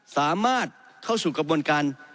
สามารถเข้าสู่กระบวนการ